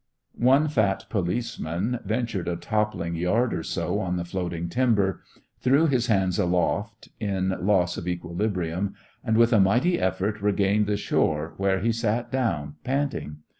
One fat policeman ventured a toppling yard or so on the floating timber, threw his hands aloft in loss of equilibrium, and with a mighty effort regained the shore, where he sat down, panting.